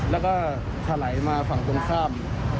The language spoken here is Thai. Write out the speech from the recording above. แล้วก็ถลายมาฝั่งตรงข้าม